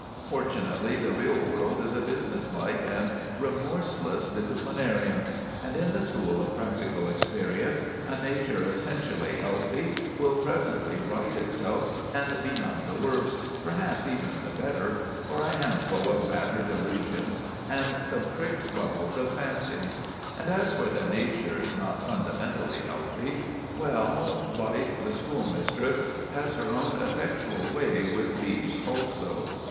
Fortunately, the real world is a businesslike and remorseless disciplinarian, and in the school of practical experience, a nature essentially healthy will presently right itself, and be none the worse—perhaps even the better—for a handful of battered illusions and some pricked bubbles of fancy. And as for the natures not fundamentally healthy—well, Life the Schoolmistress has her own effectual way with these also.